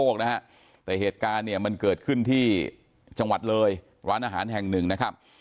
แต่เหตุการณ์เนี่ยมันเกิดขึ้นที่จังหวัดเลยร้านอาหารแห่งหนึ่งนะครับ